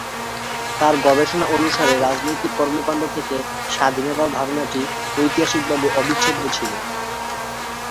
তার গবেষণা অনুসারে, রাজনৈতিক কর্মকাণ্ড থেকে স্বাধীনতার ধারণাটি ঐতিহাসিকভাবে অবিচ্ছেদ্য ছিল।